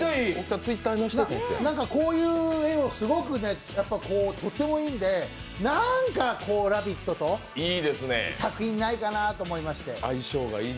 こういう絵がすごく、とてもいいんで、なんか「ラヴィット！」と、作品ないかなと思いまして。